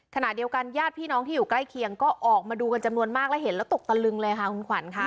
ขณะเดียวกันญาติพี่น้องที่อยู่ใกล้เคียงก็ออกมาดูกันจำนวนมากแล้วเห็นแล้วตกตะลึงเลยค่ะคุณขวัญค่ะ